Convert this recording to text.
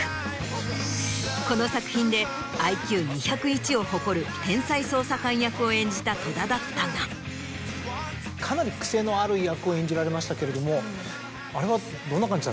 この作品でＩＱ２０１を誇る天才捜査官役を演じた戸田だったが。を演じられましたけれどもあれは。